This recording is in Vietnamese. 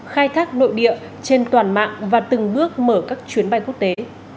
khai thác nội địa trên toàn mạng và từng bước mở các chuyến bay quốc tế